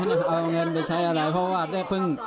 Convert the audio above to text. จะเอาเงินไปใช้อะไรเพราะว่าได้เพิ่ง